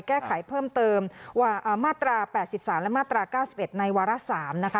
แก้ไขเพิ่มเติมมาตรา๘๓และมาตรา๙๑ในวาระ๓นะคะ